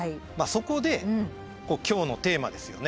そこで今日のテーマですよね。